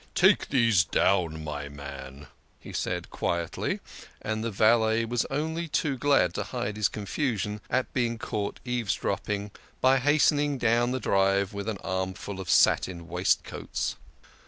" Take these down, my man," he said quietly, and the valet was only too glad to hide his confusion at being caught eavesdropping by hastening down to the drive with an armful of satin waistcoats.